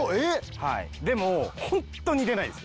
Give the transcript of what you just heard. でもホントに出ないです。